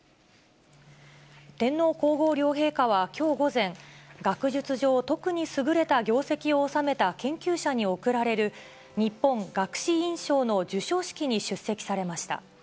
天皇皇后両陛下はきょう午前、学術上、特に優れた業績をおさめた研究者に贈られる日本学士院賞の授賞式に出席されました。